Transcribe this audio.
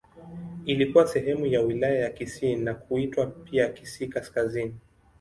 Ilikuwa sehemu ya Wilaya ya Kisii na kuitwa pia Kisii Kaskazini.